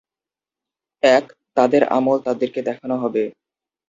এক, তাদের আমল তাদেরকে দেখানো হবে।